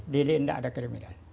dili ini nggak ada krimis